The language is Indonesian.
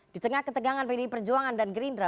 di tengah ketegangan pdi perjuangan dan gerindra